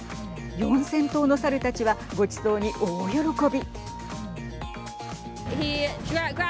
４０００頭の猿たちはごちそうに大喜び。